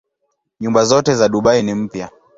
Nyumba zote za Dubai ni mpya.